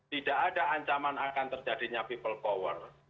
tidak ada ancaman akan terjadinya pipul